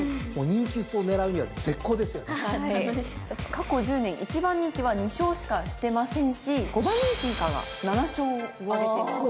過去１０年１番人気は２勝しかしてませんし５番人気以下が７勝を挙げています。